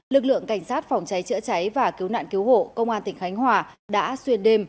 lực lượng cảnh sát phòng cháy chữa cháy và cứu nạn cứu hộ công an tỉnh khánh hòa đã xuyên đêm